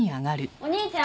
お兄ちゃん。